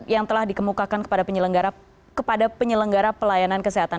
yang telah dikemukakan kepada penyelenggara pelayanan kesehatan